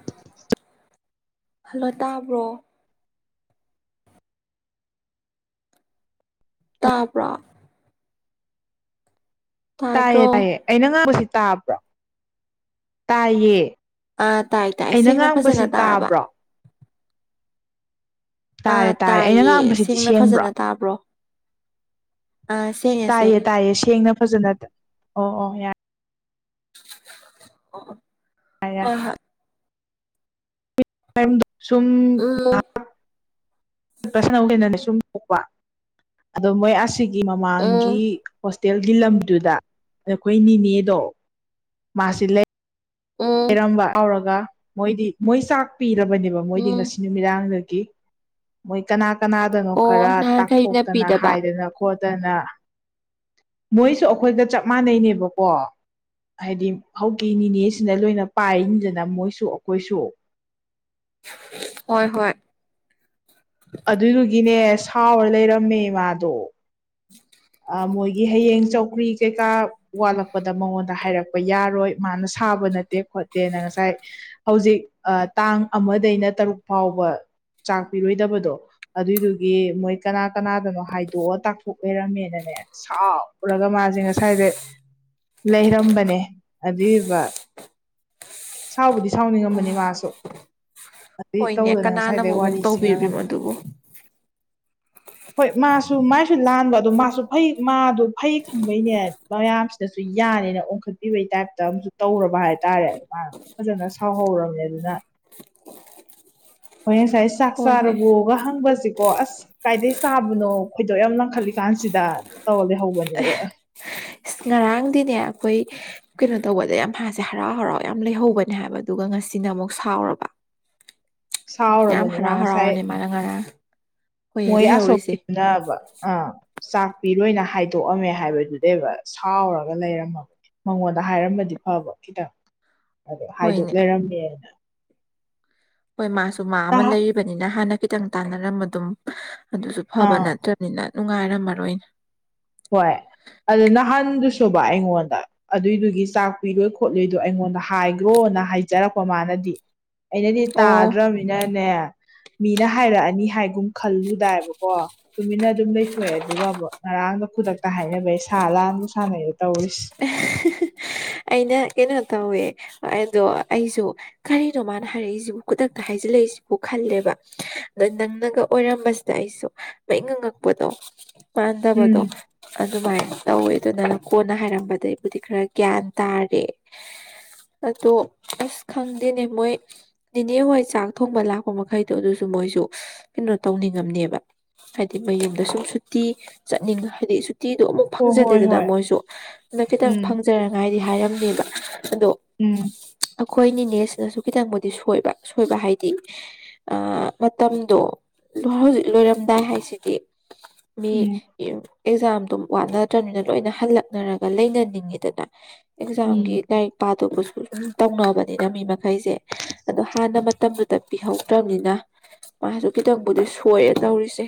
[inaudible] hello ꯇꯥꯕ꯭ꯔꯣ ꯇꯥꯕ꯭ꯔꯣ ꯇꯥꯗ꯭ꯔꯣ ꯇꯥꯏꯌꯦ ꯇꯥꯏꯌꯦ ꯑꯩꯅ ꯉꯥꯡꯕꯁꯤ ꯇꯥꯕ꯭ꯔꯣ ꯇꯥꯏꯌꯦ ꯑꯥ ꯇꯥꯏ ꯇꯥꯏ ꯑꯩꯅ ꯁꯦꯡꯅ ꯉꯥꯡꯕꯁꯤ ꯐꯖꯅ ꯇꯥꯔꯕ ꯇꯥꯕ꯭ꯔꯣ ꯇꯥꯔꯦ ꯑꯥ ꯇꯥꯔꯦ ꯑꯩꯅ ꯇꯥꯏꯌꯦ ꯉꯥꯡꯕꯁꯤꯗꯤ ꯁꯦꯡꯅ ꯁꯦꯡꯕ꯭ꯔꯣ ꯐꯖꯅ ꯇꯥꯕ꯭ꯔꯣ ꯑꯥ ꯁꯦꯡꯉꯦ ꯇꯥꯏꯌꯦ ꯁꯦꯡꯉꯦ ꯇꯥꯏꯌꯦ ꯁꯦꯡꯅ ꯐꯖꯅ ꯇꯥ ꯑꯣ ꯑꯣ ꯌꯥ ꯍꯣꯏ ꯍꯣꯏ [unintelligible] ꯁꯨꯝ ꯎꯝ ꯌꯥ ꯄꯔꯁꯣꯅꯦꯜ ꯑꯣꯏꯅꯅꯦ ꯁꯨꯝ ꯊꯣꯛꯄ ꯑꯗꯣ ꯃꯣꯏ ꯑꯁꯤꯒꯤ ꯎꯝ ꯃꯃꯥꯡꯒꯤ ꯍꯣꯁꯇꯦꯜꯒꯤ ꯂꯝꯗꯨꯗ ꯑꯩꯈꯣꯏ ꯅꯤꯅꯦꯗꯣ ꯃꯥꯁꯤ ꯂꯩ ꯎꯝ ꯂꯩꯔꯝꯕ ꯌꯥꯥꯎꯔꯒ ꯃꯣꯏꯗꯤ ꯃꯣꯏ ꯆꯥꯛ ꯄꯤꯔꯕꯅꯦꯕ ꯃꯣꯏꯗꯤ ꯎꯝ ꯉꯁꯤ ꯅꯨ ꯃꯤꯗꯥꯡꯗꯒꯤ ꯃꯣꯏ ꯀꯅꯥ ꯀꯅꯥꯗꯅꯣ ꯑꯣ ꯈꯔ ꯅꯍꯥꯟꯈꯩ ꯇꯥꯛꯊꯣꯛꯇꯅ ꯅꯞꯄꯤꯗꯕ ꯍꯥꯏꯗꯅ ꯈꯣꯗꯅ ꯃꯣꯏꯁꯨ ꯑꯩꯈꯣꯏꯒ ꯆꯞ ꯃꯥꯟꯅꯩꯅꯦꯕꯀꯣ ꯍꯥꯏꯗꯤ ꯍꯧꯀꯤ ꯅꯤꯅꯦꯁ ꯁꯤꯅ ꯂꯣꯏꯅ ꯄꯥꯏꯔꯤꯅꯤꯗꯅ ꯃꯣꯏꯁꯨ ꯑꯈꯣꯏꯁꯨ ꯍꯣꯏ ꯍꯣꯏ ꯑꯗꯨꯗꯨꯒꯤꯅꯦ ꯁꯥꯎꯔ ꯂꯩꯔꯝꯃꯦ ꯃꯥꯗꯣ ꯑ ꯃꯣꯏꯒꯤ ꯍꯌꯦꯡ ꯆꯧꯀ꯭ꯔꯤ ꯀꯩꯀꯥ ꯋꯥꯠꯂꯛꯄꯗ ꯃꯉꯣꯟꯗ ꯍꯥꯏꯔꯛ-‍- ꯄ ꯌꯥꯔꯣꯏ ꯃꯥꯅ ꯁꯥꯕ ꯅꯠꯇꯦ ꯈꯣꯠꯇꯦꯅ ꯉꯁꯥꯏ ꯍꯧꯖꯤꯛ ꯑ ꯇꯥꯡ ꯑꯃꯗꯩꯅ ꯇꯔꯨꯛ ꯐꯥꯎꯕ ꯆꯥꯛ ꯄꯤꯔꯣꯏꯗꯕꯗꯣ ꯑꯗꯨꯏꯗꯨꯒꯤ ꯃꯣꯏ ꯀꯅꯥ ꯀꯅꯥꯗꯅꯣ ꯍꯥꯏꯗꯣꯛꯑꯣ ꯇꯥꯛꯊꯣꯛ ꯗꯅꯦ ꯁꯥꯎꯔꯒ ꯃꯥꯖꯦ ꯉꯁꯥꯏꯗꯩ ꯂꯩꯔꯝꯕꯅꯦ ꯑꯗꯤꯑꯕ ꯁꯥꯎꯕꯨꯗꯤ ꯁꯥꯎꯅꯤꯡꯉꯝꯕꯅꯤ ꯎꯝ ꯃꯥꯁꯨ ꯑꯗꯨꯏ ꯍꯣꯏꯅꯦ ꯇꯧꯗꯅ ꯀꯅꯥꯅ ꯉꯁꯥꯏꯗꯩ ꯑꯃꯨꯛ ꯑꯃꯨꯛ ꯋꯥꯔꯤꯁꯤ ꯉꯥꯡꯉꯝ ꯇꯧꯕꯤꯔꯤꯃꯣ ꯑꯗꯨꯕꯨ ꯍꯣꯏ ꯃꯥꯁꯨ ꯃꯥꯏꯁꯨ ꯂꯥꯟꯕ ꯑꯗꯣ ꯃꯥꯁꯨ ꯐꯩ ꯃꯥꯗꯣ ꯐꯩ ꯈꯪꯕꯩꯅꯦ ꯃꯌꯥꯝꯁꯤꯅꯁꯨ ꯌꯥꯅꯤꯅ ꯑꯣꯟꯈꯠꯄꯤꯕꯩ ꯇꯥꯏꯞꯇ ꯑꯝꯁꯨ ꯇꯧꯔꯕ ꯍꯥꯏꯇꯥꯔꯦ ꯃꯥ ꯐꯖꯅ ꯁꯥꯎꯍꯧꯔꯝꯅꯦ ꯑꯗꯨꯅ ꯍꯣꯔꯦꯡ ꯁꯥꯏꯁ ꯆꯥꯛ ꯍꯣꯏꯅꯦ ꯆꯥꯔꯕꯣꯒ ꯍꯪꯕꯁꯦꯀꯣ ꯑꯁ ꯀꯥꯏꯗꯩ ꯆꯥꯕꯅꯣ ꯈꯣꯏꯗꯣꯛ ꯌꯥꯝ ꯂꯪꯈꯠꯂꯤꯀꯥꯟꯁꯤꯗ ꯇꯧꯔ ꯂꯩꯍꯧꯕꯅꯦꯕ ꯑ ꯏꯁ ꯉꯔꯥꯡꯗꯤꯅꯦ ꯑꯩꯈꯣꯏ ꯀꯩꯅꯣ ꯇꯧꯕꯗ ꯌꯥꯝ ꯃꯥꯁꯦ ꯍꯔꯥꯎ ꯍꯔꯥꯎ ꯌꯥꯝ ꯂꯩꯍꯧꯕꯅꯦ ꯍꯥꯏꯕ ꯑꯗꯨꯒ ꯉꯁꯤꯅ ꯑꯃꯨꯛ ꯁꯥꯎꯔꯕ ꯌꯥꯝ ꯁꯥꯎꯔꯕꯅꯦ ꯃꯥ ꯍꯔꯥꯎ ꯉꯁꯥꯏ ꯍꯔꯥꯎꯅꯅꯦ ꯃꯥꯅ ꯉꯔꯥꯡ ꯍꯣꯏꯌꯦ ꯂꯩꯍꯧꯔꯤꯁꯦ ꯅꯥꯕ ꯑꯥ ꯆꯥꯛ ꯄꯤꯔꯣꯏꯅ ꯍꯥꯏꯗꯣꯛꯑꯝꯃꯦ ꯍꯥꯏꯕꯗꯨꯗꯩꯕ ꯁꯥꯎꯔꯒ ꯂꯩꯔꯝꯃꯕ ꯃꯉꯣꯟꯗ ꯍꯥꯏꯔꯝꯃꯗꯤ ꯐꯥꯕ ꯈꯤꯇꯪ ꯑꯗꯣ ꯍꯥꯏꯗꯣꯛ ꯍꯣꯏꯅꯦ ꯂꯩꯔꯝꯃꯦꯅ ꯍꯣꯏ ꯃꯥꯁꯨ ꯃꯥ ꯑꯃ ꯂꯩꯔꯤꯕꯅꯤꯅ ꯍꯥꯟꯅ ꯈꯤꯇꯪ ꯇꯥꯟꯅꯔꯝꯕ ꯑꯗꯨꯝ ꯑꯗꯨꯁꯨ ꯐꯥꯕ ꯑꯥ ꯅꯠꯇ꯭ꯔ ꯅꯤꯅ ꯅꯨꯡꯉꯥꯏꯔꯝꯃꯔꯣꯏꯅꯦ ꯍꯣꯏ ꯑꯗꯨ ꯅꯍꯥꯟꯗꯨꯁꯨꯕ ꯑꯩꯉꯣꯟꯗ ꯑꯗꯨꯏꯗꯨꯒꯤ ꯆꯥꯛ ꯄꯤꯔꯣꯏ ꯈꯣꯠꯂꯣꯏꯗꯣ ꯑꯩꯉꯣꯟꯗ ꯍꯥꯏꯒ꯭ꯔꯣꯅ ꯍꯥꯏꯖꯔꯛꯄ ꯃꯥꯅꯗꯤ ꯑꯩꯅꯗꯤ ꯑꯣ ꯇꯥꯗ꯭ꯔꯝꯅꯤꯅꯅꯦ ꯃꯤꯅ ꯍꯥꯏꯔꯛꯑꯅꯤ ꯍꯥꯏꯒꯨꯝ ꯈꯜꯂꯨꯗꯥꯏꯕꯀꯣ ꯇꯨꯃꯤꯟꯅ ꯑꯗꯨꯝ ꯂꯩꯊꯣꯛꯑꯦ ꯑꯗꯨꯒꯕꯨ ꯉꯔꯥꯡꯗ ꯈꯨꯗꯛꯇ ꯍꯥꯏꯅꯕꯩ ꯁꯥ ꯂꯥꯟꯕꯨ ꯁꯥꯟꯅꯩꯗꯣ ꯇꯧꯔꯤꯁ ꯑꯩꯅ ꯀꯩꯅꯣ ꯇꯧꯋꯦ ꯑ ꯑꯗꯣ ꯑꯩꯁꯨ ꯀꯔꯤꯅꯣ ꯃꯥꯅ ꯍꯥꯏꯔꯛꯏꯖꯤꯕꯨ ꯈꯨꯗꯛꯇ ꯍꯥꯏꯖꯤꯜꯂꯛꯏꯁꯤꯕꯨ ꯈꯜꯂꯦꯕ ꯑꯗꯣ ꯅꯪꯅꯒ ꯑꯣꯏꯔꯝꯕꯁ__ ꯗ ꯑꯩꯁꯨ ꯃꯩ ꯉꯉꯛꯄꯗꯣ ꯎꯝ ꯃꯥꯟꯗꯕꯗꯣ ꯑꯗꯨꯃꯥꯏꯅ ꯇꯧꯋꯦ ꯑꯗꯨ ꯅꯪꯅ ꯀꯣꯟꯅ ꯍꯥꯏꯔꯝ__ ꯕꯗꯩꯕꯨꯗꯤ ꯈꯔ ꯒ꯭ꯌꯥꯟ ꯇꯥꯔꯦ ꯑꯗꯣ ꯑꯁ ꯈꯪꯗꯦꯅꯦ ꯃꯣꯏ ꯅꯤꯅꯦ ꯍꯣꯏ ꯆꯥꯛ ꯊꯣꯡꯕ ꯂꯥꯛꯄ ꯃꯈꯩꯗꯣ ꯑꯗꯨꯁꯨ ꯃꯣꯏꯁꯨ ꯀꯩꯅꯣ ꯇꯧꯅꯤꯡꯉꯝꯅꯦꯕ ꯍꯥꯏꯗꯤ ꯃꯌꯨꯝꯗ ꯁꯨꯝ ꯁꯨꯇꯤ ꯆꯠꯅꯤꯡ ꯍꯥꯏꯗꯤ ꯁꯨꯠ__ ꯇꯤꯗꯣ ꯑꯃꯨꯛ ꯍꯣ ꯍꯣꯏ ꯐꯪꯖꯗꯦꯗꯅ ꯍꯣꯏ ꯃꯣꯏꯁꯨ ꯑꯗꯨꯅ ꯈꯤꯇꯪ ꯎꯝ ꯐꯪꯖꯔꯉꯥꯏꯗꯤ ꯍꯥꯏꯔꯝꯅꯦꯕ ꯑꯗꯣ ꯎꯝ ꯑꯩꯈꯣꯏꯅꯤꯅꯦꯁꯤꯅꯁꯨ ꯈꯤꯇꯪꯕꯨꯗꯤ ꯁꯣꯏꯕ ꯁꯣꯏꯕ ꯍꯥꯏꯗꯤ ꯑꯥ ꯃꯇꯝꯗꯣ ꯂꯣꯏ ꯍꯧꯖꯤꯛ ꯂꯣꯏꯔꯝꯗꯥꯏ ꯍꯥꯏꯁꯤꯗꯤ ꯃꯤ ꯎꯝ ꯑꯦꯌꯨ ꯑꯦꯛꯖꯥꯝꯗꯨ ꯋꯥꯠꯅꯗ꯭ꯔꯝꯅꯤꯅ ꯂꯣꯏꯅ ꯍꯜꯂꯛꯅꯔ__ ꯒ ꯂꯩꯅꯅꯤꯡꯉꯤꯗꯅ ꯎꯝ ꯑꯦꯛꯖꯥꯝꯒꯤ ꯂꯥꯏꯛ ꯄꯥꯗꯧꯕꯁꯨ ꯑꯗꯨꯝ ꯇꯧꯅꯕꯅꯤꯅ ꯃꯤ ꯃꯈꯩꯁꯦ ꯑꯗꯣ ꯍꯥꯟꯅ ꯃꯇꯝꯗꯨꯗ ꯄꯤꯍꯧꯗ꯭ꯔꯝ ꯅꯤꯅ ꯃꯥꯁꯨ ꯈꯤꯇꯪꯕꯨꯗꯤ ꯁꯣꯏꯔꯦ ꯇꯧꯔꯤꯁꯦ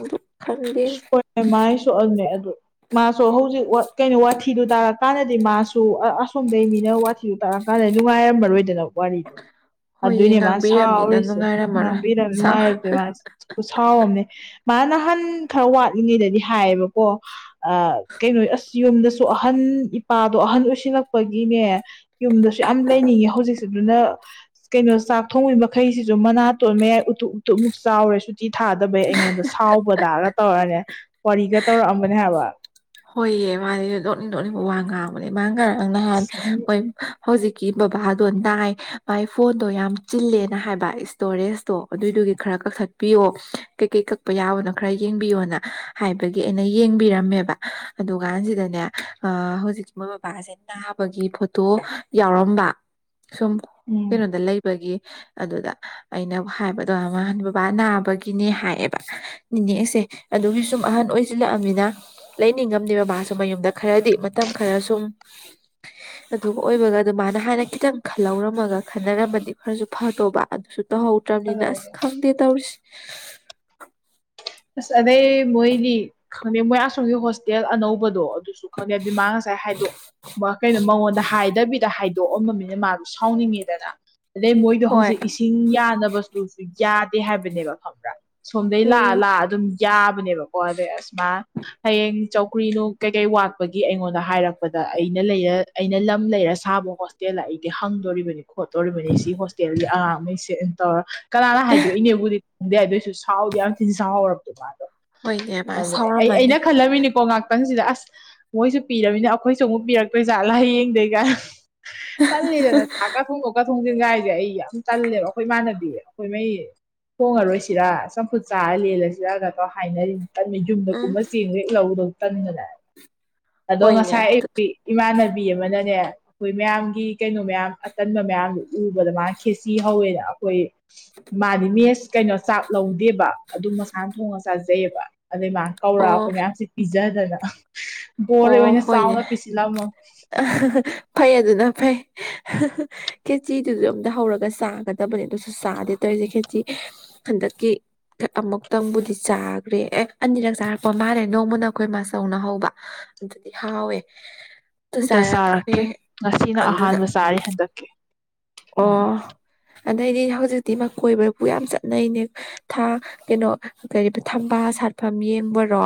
ꯑꯗꯨ ꯈꯪꯗꯦ ꯁꯣꯔꯠꯅꯦ ꯃꯥꯏ ꯁꯣꯛꯑꯝꯅꯦ ꯑꯗꯨ ꯃꯥꯁꯨ ꯍꯧꯖꯤꯛ ꯋꯥꯠ ꯀꯩꯅꯣ ꯋꯥꯊꯤꯗꯨ ꯇꯥꯔꯀꯥꯟꯗꯗꯤ ꯃꯥꯁꯨ ꯑꯥ ꯑꯁꯣꯝꯗꯩ ꯃꯤꯅ ꯋꯥꯊꯤ__ ꯊꯤ ꯇꯥꯔꯛ ꯀꯥꯟꯗꯩ ꯅꯨꯡꯉꯥꯏꯔꯝꯃꯔꯣꯏꯗꯅ ꯋꯥꯔꯤ ꯍꯣꯏꯌꯦ ꯑꯗꯨꯏꯅꯦ ꯃꯥ ꯉꯥꯡꯕꯤꯔꯕꯅꯤꯅ ꯁꯥꯎꯔꯤꯁꯦ ꯅꯨꯡꯉꯥꯏꯔꯝꯃꯔꯣꯏ ꯉꯥꯡꯕꯤꯔꯝ ꯁꯥ ꯅꯨꯡꯉꯥꯏꯔꯛꯇꯦ ꯃꯥꯁꯦ ꯈꯨꯁꯥꯎꯑꯝꯅꯤ ꯃꯥꯅ ꯅꯍꯥꯟ ꯈꯔ ꯋꯥꯠꯂꯤꯉꯩꯗꯗꯤ ꯍꯥꯏꯌꯦꯕꯀꯣ ꯑ ꯀꯩꯅꯣ ꯑꯁ ꯌꯨꯝꯗꯁꯨ ꯑꯍꯟ ꯏꯄꯥꯗꯣ ꯑꯍꯟ ꯑꯣꯏꯁꯤꯜꯂꯛꯄꯒꯤꯅꯦ ꯌꯨꯝꯗꯁꯨ ꯌꯥꯝ ꯂꯩꯅꯤꯡꯉꯦ ꯍꯧꯖꯤꯛꯁꯦ ꯑꯗꯨꯅ ꯀꯩꯅꯣ ꯆꯥꯛ ꯊꯣꯡꯕꯤꯕꯩ ꯃꯈꯩꯁꯤꯁꯨ ꯃꯅꯥꯇꯣꯟ ꯃꯌꯥꯏ ꯎꯇꯨꯞꯞ ꯎꯇꯨꯞꯞꯃꯨꯛ ꯆꯥꯎꯔꯦꯁꯨ ꯇꯤ ꯊꯥꯗꯕꯩ ꯑꯩꯉꯣꯟꯗ ꯁꯥꯎꯕꯗꯒ ꯇꯧꯔꯛꯑꯅꯦ ꯋꯥꯔꯤꯒ ꯇꯧꯔꯛꯑꯝꯕꯅꯦ ꯍꯥꯏꯕ ꯍꯣꯏꯌꯦ ꯃꯥꯗꯤ ꯅꯣꯛꯅꯤꯡ ꯅꯣꯛꯅꯤꯡꯕ ꯋꯥ ꯉꯥꯡꯕꯅꯦ ꯃꯥ ꯉꯥꯔ ꯅꯍꯥꯟ ꯍꯣꯏ__ ꯍꯧꯖꯤꯛꯀꯤ ꯕꯕꯥꯗꯣ ꯅꯥꯏ ꯃꯥꯏ ꯐꯣꯟꯗꯣ ꯌꯥꯝ ꯆꯤꯜꯂꯦꯅ ꯍꯥꯏꯕ ꯏꯁꯇꯣꯔꯦꯁꯇꯣ ꯑꯗꯨꯏꯗꯨꯒꯤ ꯈꯔ ꯀꯛꯊꯠꯄꯤꯌꯣ ꯀꯩꯀꯩ ꯀꯛꯄ ꯌꯥꯕꯅꯣ ꯈꯔ ꯌꯦꯡꯕꯤꯌꯣꯅ ꯍꯥꯏꯕꯒꯤ ꯑꯩꯅ ꯌꯦꯡꯕꯤꯔꯝꯃꯦꯕ ꯑꯗꯨꯀꯥꯟꯁꯤꯗꯅꯦ ꯑꯥ ꯍꯧꯖꯤꯛ ꯃꯣꯏ ꯕꯕꯥꯁꯦ ꯅꯥꯕꯒꯤ ꯐꯣꯇꯣ ꯌꯥꯎꯔꯝꯕ ꯁꯨꯝ ꯎꯝ ꯀꯩꯅꯣꯗ ꯂꯩ__ ꯕꯒꯤ ꯑꯗꯨꯗ ꯑꯩꯅ ꯍꯥꯏꯕꯗꯣ ꯅꯍꯥꯟꯋꯥ ꯕꯕꯥ ꯅꯥꯕꯒꯤꯅꯦ ꯍꯥꯏꯌꯦꯕ ꯅꯤꯅꯦꯁꯦ ꯑꯗꯨꯒꯤ ꯁꯨꯝ ꯑꯍꯟ ꯑꯣꯏꯖꯤꯜꯂꯛꯑꯝꯅꯤꯅ ꯂꯩꯅꯤꯡꯉꯝꯅꯦꯕ ꯃꯥꯁꯨ ꯃꯌꯨꯝꯗ ꯈꯔꯗꯤ ꯃꯇꯝ ꯈꯔ ꯁꯨꯝ [inaudible] ꯑꯗꯨꯒ ꯑꯣꯏꯕꯒ ꯑꯗꯨ ꯃꯥꯅ ꯍꯥꯟꯅ ꯈꯤꯇꯪ ꯈꯜꯍꯧꯔꯝꯃꯒ ꯈꯟꯅꯔꯝꯃꯗꯤ ꯈꯔꯖꯨ ꯐꯠꯇꯧꯕ ꯑꯗꯨꯁꯨ ꯇꯧꯍꯧ__ ꯇ꯭ꯔꯝꯅꯤꯅ ꯑꯁ ꯈꯪꯗꯦ ꯇꯧꯔꯤꯁ ꯑꯁ ꯑꯗꯩ ꯃꯣꯏꯗꯤ ꯈꯪꯗꯦ ꯃꯣꯏ ꯑꯁꯣꯝꯒꯤ ꯍꯣꯁꯇꯦꯜ ꯑꯅꯧꯕꯗꯣ ꯑꯗꯨ__ ꯗꯨꯁꯨ ꯈꯅꯦ ꯑꯗꯨꯏ ꯃꯥ ꯉꯁꯥꯏ ꯍꯥꯏꯗꯣ ꯃꯥ ꯀꯩꯅꯣ ꯃꯉꯣꯟꯗ ꯍꯥꯏꯗꯕꯤꯗ ꯍꯥꯏꯠ ꯇꯣꯑꯝꯃꯝꯃꯤꯅ ꯃꯥꯗꯨ ꯁꯥꯎꯅꯤꯡꯉꯦꯗꯅ ꯑꯗꯩ ꯃꯣꯏꯗꯣ ꯍꯣꯏ ꯍꯧꯖꯤꯛ ꯏꯁꯤ ꯍꯤꯡ ꯌꯥꯅꯕ ꯁ꯭ꯇꯨꯜꯁꯤꯡ ꯌꯥꯗꯦ ꯍꯥꯏꯕꯅꯦꯕ ꯈꯝꯕ꯭ꯔꯥ ꯁꯣꯝꯗꯩ ꯂꯥꯑ ꯎꯝ ꯂꯥꯑ ꯑꯗꯨꯝ ꯌꯥꯕꯅꯦꯕꯀꯣ ꯑꯗꯩ ꯑꯁ ꯃꯥ ꯍꯌꯦꯡ ꯆꯧꯀ꯭ꯔꯤꯅꯨꯡ ꯀꯩꯀꯩ ꯋꯥꯠꯄꯒꯤ ꯑꯩꯉꯣꯟꯗ ꯍꯥꯏꯔꯛꯄꯗ ꯑꯩꯅ ꯂꯩꯔ ꯑꯩꯅ ꯂꯝ ꯂꯩꯔ ꯁꯥꯕ ꯍꯣꯁ ꯇꯦꯜꯂ ꯑꯩꯗꯤ ꯍꯪꯗꯣꯔꯤꯕꯅꯦ ꯈꯣꯠꯇꯣꯔꯤꯕꯅꯤ ꯁꯤ ꯍꯣꯁꯇꯦꯜꯒꯤ ꯑꯉꯥꯡꯃꯩꯁꯦ ꯇꯧꯔ ꯀꯅꯥꯅ ꯍꯥꯏꯗꯣꯏꯅꯦꯕꯨꯗꯤ ꯎꯪꯗꯦ ꯑꯗꯨꯏꯁꯨ ꯁꯥꯎꯗꯤ ꯌꯥꯝ ꯊꯤ ꯁꯥꯎꯍꯧꯔꯕꯗꯣ ꯃꯥꯗꯣ ꯍꯣꯏꯅꯦ ꯃꯥ ꯑꯗ ꯑꯩ ꯁꯥꯎꯔꯝꯃꯅꯤ ꯑꯩꯅ ꯈꯜꯂꯝꯃꯤꯅꯤꯀꯣ ꯉꯥꯛꯇꯪꯁꯤꯗ ꯑꯁ ꯃꯣꯏꯁꯨ ꯄꯤꯔꯃꯤꯅ ꯑꯈꯣꯏꯁꯨ ꯑꯃꯨꯛ ꯄꯤꯔꯛꯇꯣꯏꯖꯥꯠꯂꯥ ꯍꯌꯦꯡꯗꯩ ꯀꯥꯏ ꯇꯜꯂꯤꯗꯅ ꯆꯥꯛꯀ ꯊꯣꯡꯗꯣꯛꯀ ꯊꯣꯡꯖꯤꯟꯒꯥꯏꯖꯦ ꯑꯩ ꯌꯥꯝ ꯇꯜꯂꯦꯕ ꯑꯈꯣꯏ ꯃꯥꯟꯅꯕꯤ ꯑꯈꯣꯏ ꯃꯩ ꯊꯣꯡꯉꯔꯣꯏꯁꯤꯔꯥ ꯆꯝꯐꯨꯠ ꯆꯥꯔ ꯂꯦꯜꯂꯖꯤꯔꯒ ꯇ ꯍꯥꯏꯅꯔꯤꯅꯤ ꯇꯟꯃꯩ ꯌꯨꯝꯗ ꯎꯝ ꯀꯨꯝꯃ ꯆꯦꯡ ꯍꯦꯛ ꯂꯧꯔꯨꯗꯧ ꯇꯟꯗꯅ ꯑꯗꯣ ꯍꯣꯏꯅꯦ ꯉꯁꯥꯏ ꯑꯌꯨꯛꯇꯤ ꯏꯃꯥꯟꯅꯕꯤ ꯑꯃꯅꯅꯦ ꯑꯈꯣꯏ ꯃꯌꯥꯝꯒꯤ ꯀꯩꯅꯣ ꯃꯌꯥꯝ ꯑꯇꯟꯕ ꯃꯌꯥꯝꯗꯨ ꯎꯕꯗ ꯃꯥꯅ ꯈꯦꯆꯤ ꯍꯧꯋꯦꯅ ꯑꯈꯣꯏ ꯃꯥꯗꯤ ꯃꯦꯁ ꯀꯩꯅꯣ ꯆꯥꯛ ꯂꯧꯗꯦꯕ ꯑꯗꯨꯝ ꯃꯁꯥꯟ ꯊꯣꯡꯉ ꯆꯥꯖꯩꯑꯕ ꯑꯗꯩ ꯃꯥ ꯀꯧꯔꯑ ꯑꯣ ꯑꯈꯣꯏ ꯃꯌꯥꯝꯁꯤ ꯄꯤꯖꯗꯅ ꯕꯣꯔ ꯑꯣ ꯑꯣꯏꯅ ꯍꯣꯏꯅꯦ ꯆꯥꯎꯅ ꯄꯤꯁꯤꯜꯂꯝꯃꯝ ꯐꯩ ꯑꯗꯨꯅ ꯐꯩ ꯈꯦꯆꯤꯗꯨꯖꯨ ꯑꯝꯗ ꯍꯧꯔꯒ ꯆꯥꯒꯗꯕꯅꯦ ꯗꯨꯁꯨ ꯆꯥꯗꯦ ꯇꯧꯏꯖꯦ ꯈꯦꯆꯤ ꯍꯟꯗꯛꯀꯤ ꯈꯦ ꯑꯃꯨꯛꯇꯪꯕꯨꯗꯤ ꯆꯥꯒ꯭ꯔꯦ ꯑꯦ ꯑꯅꯤꯔꯛ ꯆꯥꯔꯛꯄ ꯃꯥꯜꯂꯦ ꯅꯣꯡꯃꯅ ꯑꯈꯣꯏ ꯃꯥꯆꯧꯅ ꯍꯧꯕ ꯑꯗꯨꯗꯤ ꯍꯥꯎꯋꯦ ꯑꯗꯨ ꯑꯝꯇ ꯆꯥꯔꯛꯈ꯭ꯔꯦ ꯆꯥꯔꯛꯇ꯭ꯔꯤ ꯉꯁꯤꯅ ꯑꯗꯨꯗ ꯑꯍꯥꯟꯕ ꯆꯥꯔꯤ ꯍꯟꯗꯛꯀꯤ ꯎꯝ ꯑꯣ ꯑꯗꯩꯗꯤ ꯍꯧꯖꯤꯛꯇꯤ ꯃ ꯀꯣꯏꯕꯕꯨ ꯌꯥꯝ ꯆꯠꯅꯩꯅꯦ ꯊꯥ ꯀꯩꯅꯣ ꯀꯔꯤꯕ ꯊꯝꯕꯥꯜ ꯁꯥꯠꯐꯝ ꯌꯦꯡꯕꯔꯣ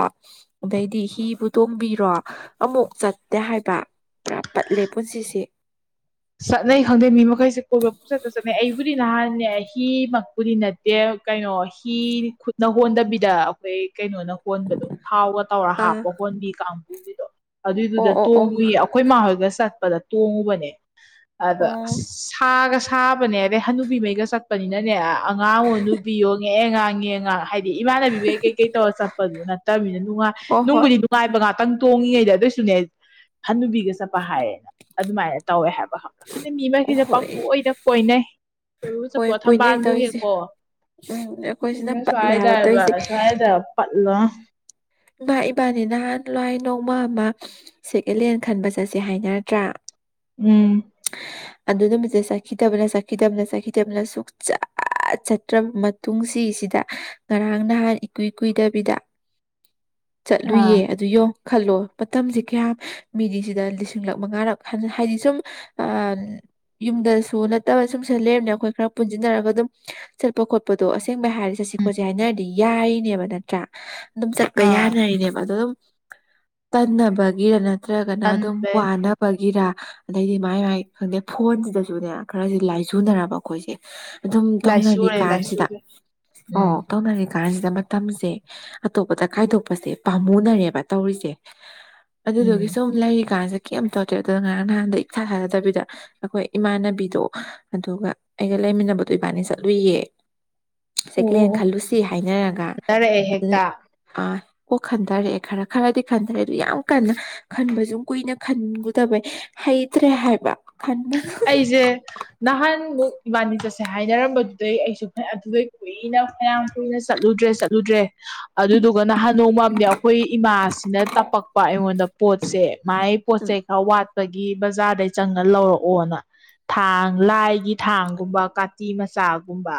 ꯑꯗꯩꯗꯤ ꯍꯤꯕꯨ ꯇꯣꯡꯕꯤꯔꯣ ꯑꯃꯨꯛ ꯆꯠꯇꯦ ꯍꯥꯏꯕ ꯄꯨꯔꯥ ꯄꯠꯂꯦ ꯄꯨꯟꯁꯤꯁꯦ ꯆꯠꯅꯩ ꯈꯪꯗꯦ ꯃꯤ ꯃꯈꯩꯁꯦ ꯀꯣꯏꯕ ꯄꯨꯡꯆꯠꯇ ꯆꯠꯅꯩ ꯑꯩꯕꯨꯗꯤ ꯅꯍꯥꯟꯅꯦ ꯑꯩ ꯍꯤ ꯃꯛꯄꯨꯗꯤ ꯅꯠꯇꯦ ꯀꯩꯅꯣ ꯍꯤ ꯈꯨꯠꯅ ꯍꯣꯟꯗꯕꯤꯗ ꯑꯈꯣꯏ ꯀꯩꯅꯣꯅ ꯍꯣꯟꯕꯗꯣ ꯊꯥꯎꯒ ꯇꯧꯔ ꯑꯥ ꯍꯥꯞꯄ ꯍꯣꯟꯕꯤ ꯀꯥꯡꯕꯨꯒꯤꯗꯣ ꯑꯣ ꯑꯗꯨꯏꯗꯨꯗ ꯑꯣ ꯑꯣ ꯇꯣꯡꯉꯨꯏ ꯑꯛ ꯈꯣꯏꯃꯥꯍꯣꯏꯒ ꯆꯠꯄꯗ ꯇꯣꯡꯉꯨꯕꯅꯦ ꯑꯗ ꯑꯁ ꯁꯥꯒ ꯁꯥꯕꯅꯦ ꯑꯗꯩ ꯍꯅꯨꯕꯤꯃꯩꯒ ꯆꯠꯄꯅꯤꯅꯅꯦ ꯑꯉꯥꯡ ꯑꯣ ꯅꯨꯕꯤꯌꯣ ꯉꯦ ꯉꯥ ꯉꯦ ꯉꯥ ꯍꯥꯏꯗꯤ ꯏꯃꯥꯟꯅꯕꯤꯃꯩ ꯀꯩꯀꯩ ꯇꯧꯔ ꯆꯠꯄꯗꯨ ꯅꯠꯇꯃꯤꯅ ꯅꯨꯉꯥꯏ ꯑꯣ ꯍꯣꯏ ꯅꯨꯡꯕꯨꯗꯤ ꯅꯨ ꯉꯥꯏꯕ ꯉꯥꯇꯪ ꯇꯣꯡꯉꯤꯉꯩꯗ ꯑꯗꯣꯏꯁꯨꯅꯦ ꯍꯅꯨꯕꯤꯒ ꯆꯞꯄ ꯍꯥꯏꯔꯦꯅ ꯑꯗꯨꯃꯥꯏ ꯇꯧꯋꯦ ꯍꯥꯏꯕ ꯈꯪꯕ꯭ꯔꯥ ꯈꯟꯗꯦ ꯃꯤ ꯍꯣꯏ ꯑꯣ ꯃꯩꯁꯤꯅ ꯍꯣꯏ ꯄꯪꯀꯣꯏꯗ ꯀꯣꯏꯅꯩ ꯀꯣꯏꯕꯕꯨ ꯆꯞꯄꯣ ꯍꯣꯏ ꯀꯣꯏꯅꯩ ꯊꯝꯕꯥꯟꯕꯨ ꯇꯧꯔꯤꯁꯦ ꯍꯦꯛꯄꯣ ꯎꯝ ꯑꯩꯈꯣꯏ ꯁꯤꯅ ꯑꯩꯅ ꯄꯠꯂꯦ ꯍꯥꯏꯕ ꯁ꯭ꯋꯥꯏꯗꯕ ꯇꯧꯔꯤꯁꯦ ꯁ꯭ꯋꯥꯏꯗ ꯄꯠꯂꯣ ꯅ ꯏꯕꯥꯅꯤ ꯅꯍꯥꯟ ꯂꯥꯏ ꯅꯣꯡꯃ ꯑꯃ ꯁꯦꯀꯦꯂꯦꯟ ꯈꯟꯕ ꯆꯠꯁꯦ ꯍꯥꯏꯅꯔꯗ꯭ꯔꯥ ꯎꯝ ꯑꯗꯨ ꯅꯨꯃꯤꯠꯇ ꯆꯠꯈꯤꯗꯕꯅ ꯆꯠꯈꯤꯗꯕꯅ ꯆꯠꯈꯤꯗꯕꯅ ꯁꯨꯛꯆꯥ ꯑꯥꯠ ꯆꯠꯇ꯭ꯔꯕ ꯃꯇꯨꯡꯁꯤ ꯁꯤꯗ ꯉꯔꯥꯡ ꯅꯍꯥꯟ ꯏꯀꯨꯏ ꯀꯨꯏꯗꯕꯤꯗ ꯆꯠꯂꯨꯏꯌꯦ ꯑꯥ ꯑꯗꯨ ꯌꯣꯡ ꯈꯜꯂꯣ ꯃꯇꯝꯖꯤ ꯀ꯭ꯌꯥꯝ ꯃꯤꯗꯤꯁꯤꯗ ꯂꯤꯁꯤꯡꯂꯛ ꯃꯉꯥꯔꯛ ꯍꯟ ꯍꯥꯏꯗꯤ ꯁꯨꯝ ꯑꯥꯟ ꯌꯨꯝꯗꯁꯨ ꯅꯠꯇꯕ ꯁꯨꯝ ꯁ ꯂꯩꯔꯝꯅꯦ ꯑꯈꯣꯏ ꯈꯔ ꯄꯨꯟꯖꯤꯟꯅꯔꯒ ꯑꯗꯨꯝ ꯆꯠꯄ ꯈꯣꯠꯄꯗꯣ ꯑꯁꯦꯡꯕꯩ ꯍꯥꯏꯔ ꯆꯠꯁꯤ ꯈꯣꯠꯁꯤ ꯍꯥꯏꯅꯔꯗꯤ ꯌꯥꯔꯤꯅꯦꯕ ꯅꯠꯇ꯭ꯔꯥ ꯗꯨꯝ ꯆꯠꯄ ꯑꯥ ꯌꯥꯅꯔꯤꯅꯦꯕ ꯑꯗꯣ ꯗꯨꯝ ꯇꯟꯅꯕꯒꯤꯔꯅ ꯅꯠꯇ꯭ꯔꯒꯅ ꯑꯗꯨꯝ ꯇꯟꯕꯩ ꯋꯥꯅꯕꯒꯤꯔ ꯑꯗꯩꯗꯤ ꯃꯥꯏ ꯃꯥꯏ ꯈꯪꯗꯦ ꯐꯣꯟꯁꯤꯗꯁꯨꯅꯦ ꯈꯔꯖꯨ ꯂꯥꯏꯖꯨꯅꯔꯕ ꯑꯈꯣꯏꯁꯦ ꯑꯗꯨꯝ ꯂꯥꯏꯆꯨꯔꯦ ꯇꯧꯅꯔꯤꯀꯥꯟꯁꯤꯗ ꯂꯥꯏꯆꯨꯔꯦ ꯑꯣ ꯎꯝ ꯇꯧꯅꯔꯤ ꯀꯥꯟꯁꯤꯗ ꯃꯇꯝꯁꯦ ꯑꯇꯣꯞꯄꯗ ꯀꯥꯏꯗꯣꯛꯄꯁꯦ ꯄꯥꯝꯃꯨꯅꯔꯦꯕ ꯇꯧꯔꯤꯁꯦ ꯎꯝ ꯑꯗꯨꯗꯨꯒꯤ ꯁꯨꯝ ꯂꯩꯔꯤꯀꯥꯟꯁꯤꯗ ꯀꯩꯝ ꯇꯧꯗꯔꯦ ꯑꯗꯨ ꯉꯔꯥꯡ ꯅꯍꯥꯟꯗ ꯏ ꯊꯥ ꯊꯥꯖꯗꯕꯤꯗ ꯑꯩꯈꯣꯏ ꯏꯃꯥꯟꯅꯕꯤꯗꯣ ꯑꯗꯨꯒ ꯑꯩꯒ ꯂꯩꯃꯤꯟꯅꯕꯗꯣ ꯏꯕꯥꯅꯤ ꯆꯠꯂꯨꯏꯌꯦ ꯑꯣ ꯁꯦꯀꯦꯟ ꯑꯣ ꯍꯦꯟ ꯑꯣ ꯈꯜꯂꯨꯁꯤ ꯍꯥꯏꯅꯔꯒ ꯐꯖꯔꯛꯑꯦ ꯑꯗꯨꯗ ꯍꯦꯛꯇ ꯑꯥ ꯑꯣ ꯈꯟꯊꯔꯛꯑꯦ ꯈꯔ ꯈꯔꯗꯤ ꯈꯟꯊꯔꯛꯑꯦ ꯗꯣ ꯌꯥꯝ ꯀꯟꯅ ꯈꯟꯕꯖꯨ ꯀꯨꯏꯅ ꯈꯟꯒꯨꯗꯕꯩ ꯍꯩꯇ꯭ꯔꯦ ꯍꯥꯏꯕ ꯈꯟꯕ ꯑꯩꯖꯦ ꯅꯍꯥꯟ ꯃꯨꯛ ꯏꯕꯥꯟꯅꯤꯆꯠꯁꯦ ꯍꯥꯏꯅꯔꯝꯕꯗꯨꯗꯩ ꯑꯩꯁꯨ ꯑꯗꯨꯗꯩ ꯀꯨꯏꯅ ꯐꯅꯌꯥꯝ ꯀꯨꯏꯅ ꯆꯠꯂꯨꯗ꯭ꯔꯦ ꯆꯠꯂꯨꯗ꯭ꯔꯦ ꯑꯗꯨꯗꯨꯒ ꯅꯍꯥꯟ ꯅꯣꯡꯃꯝꯗꯤ ꯑꯩꯈꯣꯏ ꯏꯃꯥꯁꯤꯅ ꯇꯞꯄꯛꯄ ꯑꯩꯉꯣꯟꯗ ꯄꯣꯠꯁꯦ ꯃꯥꯏ ꯎꯝ ꯄꯣꯠꯆꯩ ꯈꯔ ꯋꯥꯠꯄꯒꯤ ꯕꯖꯥꯔꯗꯩ ꯆꯪꯅ ꯂꯧꯔꯛ ꯑꯣꯅ ꯊꯥꯡ ꯂꯥꯏꯒꯤ ꯊꯥꯡꯒꯨꯝꯕ ꯀꯥꯇꯤ ꯃꯆꯥꯒꯨꯝꯕ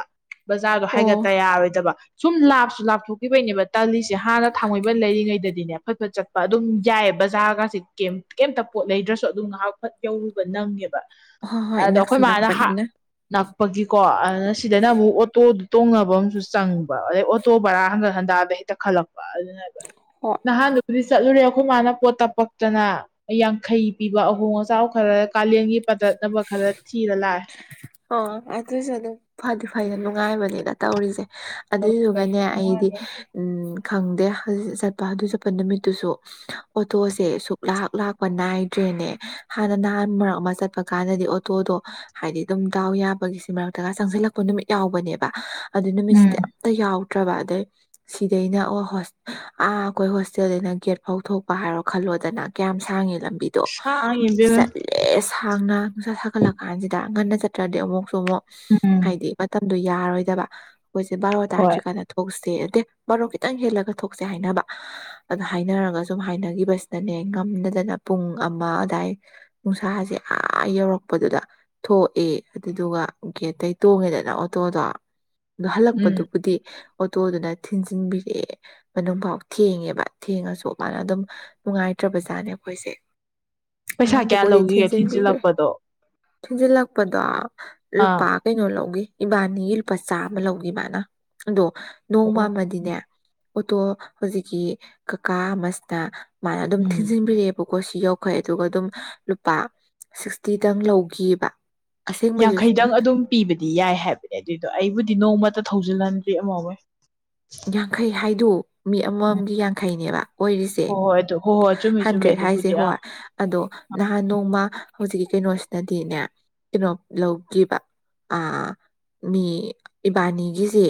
ꯕꯖꯥꯔꯗꯣ ꯑꯣ ꯍꯥꯏꯒꯠꯇ ꯌꯥꯔꯣꯏꯗꯕ ꯁꯨꯝ ꯂꯥꯞꯁꯨ ꯂꯥꯞꯊꯣꯛꯈꯤꯕꯩꯅꯦꯕ ꯇꯜꯂꯤꯁꯦ ꯍꯥꯟꯅ ꯊꯥꯡꯃꯩꯕꯟ ꯂꯩꯔꯤꯉꯩꯗꯗꯤꯅꯦ ꯐꯠꯐꯠ ꯆꯠꯄ ꯑꯗꯨꯝ ꯌꯥꯏꯌꯦ ꯕꯖꯥꯔꯒꯥꯁꯦ ꯀꯩꯝꯇ ꯄꯣꯠ ꯂꯩꯗ꯭ꯔꯁꯨ ꯑꯗꯨꯝ ꯉꯥꯍꯥꯛꯐꯠ ꯌꯧꯔꯨꯕ ꯅꯪꯉꯦꯕ ꯍꯣꯏ ꯍꯣꯏ ꯑꯗ ꯑꯈꯣꯏ ꯅꯛꯁꯨ ꯃꯥꯅ ꯍ ꯅꯛꯄꯅꯤꯅ ꯅꯛꯄꯒꯤꯀꯣ ꯑꯗꯨꯅ ꯁꯤꯗꯅ ꯑꯃꯨꯛ ꯑꯣꯇꯣꯗꯨ ꯇꯣꯡꯅꯕ ꯑꯝꯁꯨ ꯆꯪꯕ ꯑꯗꯩ ꯑꯣꯇꯣ ꯕꯔꯥ ꯍꯟꯒꯠ ꯍꯟꯗꯥꯗ ꯍꯦ ꯇꯛꯈꯠꯂꯛꯄ ꯑꯗꯨꯅꯦꯕ ꯍꯣꯏ ꯅꯍꯥꯟꯗꯨꯕꯨꯗꯤ ꯆꯠꯂꯨꯔꯦ ꯑꯈꯣꯏ ꯃꯥꯅ ꯄꯣꯠ ꯇꯞ ꯄꯛꯇꯅ ꯌꯥꯡꯈꯩ ꯄꯤꯕ ꯑꯍꯣꯡ ꯑꯆꯥꯎ ꯈꯔ ꯀꯥꯂꯦꯟꯒꯤ ꯄꯗꯠ ꯅꯕ ꯈꯔ ꯊꯤꯔ ꯂꯥꯛꯑꯦ ꯑ ꯑꯗꯨꯁꯨ ꯑꯗꯨꯝ ꯐꯗꯤ ꯐꯩꯗ ꯅꯨꯡꯉꯥꯏꯕꯅꯤꯗ ꯇꯧꯔꯤꯁꯦ ꯂꯥꯛꯑꯦ ꯑꯗꯨꯏꯗꯨꯒꯅꯦ ꯑꯩꯗꯤ ꯎꯝ ꯈꯪꯗꯦ ꯆꯠꯄ ꯑꯗꯨ ꯆꯠꯄ ꯅꯨꯃꯤꯠꯇꯨꯁꯨ ꯑꯣꯇꯣꯁꯦ ꯁꯨꯛ ꯂꯥꯛ ꯂꯥꯛꯄ ꯅꯥꯏꯗ꯭ꯔꯦꯅꯦ ꯍꯥꯟꯅ ꯅꯍꯥꯟ ꯃꯔꯛ ꯑꯃ ꯆꯠ ꯄ ꯀꯥꯟꯗꯗꯤ ꯑꯣꯇꯣꯗꯣ ꯍꯥꯏꯗꯤ ꯗꯨꯝ ꯗꯥꯎ ꯌꯥꯕꯒꯤꯁꯤ ꯃꯔꯛꯇꯒ ꯆꯪꯁꯤꯜꯂꯛꯄ ꯅꯨꯃꯤꯠ ꯌꯥꯎꯕꯅꯦꯕ ꯑꯗꯨ ꯎꯝ ꯅꯨꯃꯤꯠꯁꯤꯗ ꯑꯝꯇ ꯌꯥꯎꯗ꯭ꯔꯕ ꯑꯗꯩ ꯁꯤꯗꯩꯅ ꯑꯣ ꯑꯥ ꯑꯩꯈꯣꯏ ꯍꯣꯁꯇꯦꯜꯗꯩꯅ ꯒꯦꯠ ꯐꯥꯎ ꯊꯣꯛꯄ ꯍꯥꯏꯔꯣ ꯈꯜꯂꯣꯗꯅ ꯀꯌꯥꯝ ꯁꯥꯡꯉꯤ ꯂꯝꯕꯤ ꯗꫭ ꯁꯥꯡꯉꯤ ꯏꯕꯦꯝꯃ ꯆꯠꯂꯤꯗꫭ ꯑꯦ ꯁꯥꯡꯅ ꯅꯨꯡꯁꯥ ꯁꯥꯒꯠꯂꯛ ꯀꯥꯟꯁꯤꯗ ꯉꯟꯅ ꯆꯠꯇ꯭ꯔꯗꯤ ꯑꯃꯨꯛꯁꯨ ꯑꯃꯨꯛ ꯎꯝ ꯍꯥꯏꯗꯤ ꯃꯇꯝꯗꯣ ꯌꯥꯔꯣꯏꯗꯕ ꯑꯩꯈꯣꯏꯁꯦ ꯕꯥꯔꯣ ꯍꯣꯏ ꯇꯥꯔꯗ꯭ꯔꯤ ꯀꯥꯟꯗ ꯊꯣꯛꯁꯦ ꯑꯇꯦ ꯕꯥꯔꯣ ꯈꯤꯇꯪ ꯍꯦꯜꯂꯒ ꯊꯣꯛꯁꯦ ꯍꯥꯏꯅꯕ ꯑꯗ ꯍꯥꯏꯅꯔꯒ ꯁꯨꯝ ꯍꯥꯏꯅꯈꯤꯕꯁꯤꯅꯅꯦ ꯉꯝꯗꯗꯅ ꯄꯨꯡ ꯑꯃ ꯑꯗꯥꯏ ꯅꯨꯡꯁꯥꯁꯦ ꯑꯥ ꯌꯧꯔꯛꯄꯗꯨꯗ ꯊꯣ ꯑꯦ ꯑꯗꯨꯗꯨꯒ ꯒꯦꯠꯇꯩ ꯇꯣꯡꯉꯦꯗꯅ ꯑꯣꯇꯣꯗꯣ ꯎꯝ ꯍꯜꯂꯛꯄꯗꯨꯕꯨꯗꯤ ꯑꯣꯇꯣꯗꯨꯅ ꯊꯤꯟꯖꯤꯟꯕꯤꯔꯦ ꯃꯅꯨꯡꯐꯥꯎ ꯊꯦꯡꯉꯦꯕ ꯊꯦꯡꯉꯁꯨ ꯃꯥꯅ ꯑꯗꯨꯝ ꯅꯨꯡꯉꯥꯏꯇ꯭ꯔꯕꯖꯥꯠꯅꯦ ꯑꯈꯣꯏꯁꯦ ꯄꯩꯁꯥ ꯀꯌꯥ ꯉꯔꯥꯡꯗꯨꯕꯨꯗꯤ ꯂꯧꯒꯤꯒꯦ ꯊꯤꯟꯖꯤꯟꯕꯤꯒꯔ꯭ꯦ ꯊꯤꯟꯖꯤꯜꯂꯛꯄꯗꯣ ꯊꯤꯟꯖꯤꯜꯂꯛꯄꯗꯣ ꯂꯨꯄꯥ ꯑꯥ ꯀꯩꯅꯣ ꯂꯧꯒꯤ ꯏꯕꯥꯅꯤꯒꯤ ꯂꯨꯄꯥ ꯆꯥꯃ ꯂꯧꯒꯤ ꯃꯥꯅ ꯑꯗꯣ ꯑꯣ ꯑꯣ ꯅꯣꯡꯃꯃꯗꯤꯅꯦ ꯑꯣꯇꯣ ꯍꯧꯖꯤꯛꯀꯤ ꯀꯀꯥ ꯑꯃꯁꯤꯅ ꯃꯥꯅ ꯑꯗꯨꯝ ꯎꯝ ꯊꯤꯟꯖꯤꯟꯕꯤꯔꯦ ꯃꯈꯣꯏꯁꯨ ꯌꯥꯎꯈꯦ ꯑꯗꯨꯒ ꯑꯗꯨꯝ ꯂꯨꯄꯥ ꯁꯤꯛꯁꯇꯤꯗꯪ ꯂꯧꯒꯤꯕ ꯌꯥꯡꯈꯩꯗꯪ ꯑꯗꯨꯝ ꯄꯤꯕꯗꯤ ꯌꯥꯏ ꯍꯥꯏꯕꯅꯦ ꯑꯗꯨꯏꯗꯣ ꯑꯩꯕꯨꯗꯤ ꯅꯣꯡꯃꯇ ꯊꯧꯖꯤꯜꯍꯟꯗꯦ ꯑꯃ ꯍꯣꯏ ꯌꯥꯡꯈꯩ ꯍꯥꯏꯗꯨ ꯃꯤ ꯑꯃꯝ ꯎꯝ ꯑꯃꯝꯒꯤ ꯌꯥꯡꯈꯩꯅꯦꯕ ꯑꯣꯏꯔꯤꯁꯦ ꯍꯣꯏ ꯍꯣꯏ ꯑꯗꯨ ꯍꯣꯏ ꯍꯣꯏ ꯆꯨꯝꯃꯤ ꯆꯨꯝꯃꯤ ꯍꯟꯗ꯭ꯔꯦꯠ ꯍꯥꯏꯁꯦ ꯑꯗꯨꯕꯨꯗꯤ ꯑꯥ ꯍꯣꯏ ꯑꯗꯣ ꯅꯍꯥꯟ ꯅꯣꯡꯃ ꯍꯧꯖꯤꯛꯀꯤ ꯀꯩꯅꯣꯁꯤꯅꯗꯤꯅꯦ ꯀꯩꯅꯣ ꯂꯧꯈꯤꯕ ꯑꯥ ꯃꯤ ꯏꯕꯥꯅꯤꯒꯤꯁꯦ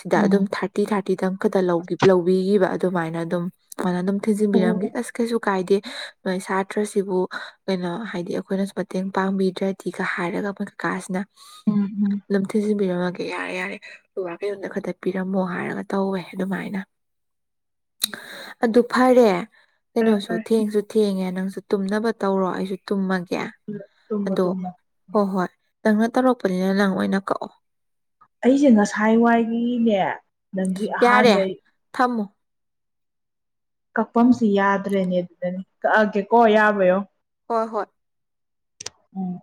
ꯁꯤꯗ ꯎꯝ ꯑꯗꯨꯝ ꯊꯥꯔ ꯊꯥꯔꯇꯤ ꯊꯥꯔꯇꯤꯗꯪ ꯈꯛꯇ ꯂꯧꯕꯤꯈꯤꯕ ꯑꯗꯨꯃꯥꯏꯅ ꯑꯗꯨꯝ ꯑꯗꯨꯅ ꯑꯗꯨꯝ ꯑꯣ ꯊꯤꯟꯖꯤꯟꯕꯤꯔꯝꯒꯦ ꯑꯁ ꯀꯩꯁꯨ ꯀꯥꯏꯗꯦ ꯅꯣꯏ ꯁꯥꯇ꯭ꯔꯁꯤꯕꯨ ꯀꯩꯅꯣ ꯍꯥꯏꯗꯤ ꯑꯩꯈꯣꯏꯅꯁꯨ ꯃꯇꯦꯡ ꯄꯥꯡꯕꯤꯗ꯭ꯔꯗꯤꯒ ꯍꯥꯏꯔꯒ ꯃꯣꯏ ꯀꯥꯁꯤꯅ ꯎꯝ ꯎꯝ ꯑꯗꯨꯝ ꯊꯤꯟꯖꯤꯟꯕꯤꯔꯝꯃꯒꯦ ꯌꯥꯔꯦ ꯌꯥꯔꯦ ꯕꯥꯕꯥ ꯀꯩꯅꯣꯗ ꯈꯛꯇ ꯄꯤꯔꯝꯃꯣ ꯍꯥꯏꯔꯒ ꯇꯧꯋꯦ ꯑꯗꯨꯃꯥꯏꯅ ꯑꯗꯨ ꯐꯔꯦ ꯐꯔꯦ ꯀꯩꯅꯣꯁꯨ ꯐꯔꯦ ꯊꯦꯡꯁꯨ ꯊꯦꯡꯉꯦ ꯅꯪꯁꯨ ꯇꯨꯝꯅꯕ ꯇꯧꯔꯣ ꯑꯩꯁꯨ ꯇꯨꯝꯃꯒꯦ ꯇꯨꯝꯃꯣ ꯑꯗꯣ ꯇꯨꯝꯃꯣ ꯍꯣ ꯍꯣꯏ ꯅꯪꯅ ꯇꯧꯔꯛꯄꯅꯤꯅ ꯅꯪ ꯑꯣꯏꯅ ꯀꯛꯑꯣ ꯑꯩꯁꯦ ꯉꯁꯥꯏ ꯋꯥꯏꯒꯤꯅꯦ ꯅꯪꯁꯤ ꯌꯥꯔꯦ ꯑꯍꯥꯟꯕꯩ ꯊꯝꯃꯣ ꯀꯛꯐꯝꯁꯤ ꯌꯥꯗ꯭ꯔꯦꯅꯦ ꯑꯗꯨꯗꯅꯤ ꯀꯛꯑꯒꯦ ꯀꯣ ꯌꯥꯕ‌ ꯌꯦꯡꯉꯣ ꯍꯣꯏ ꯍꯣꯏ ꯎꯝ